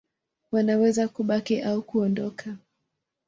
Wanaweza kubaki au kuondoka.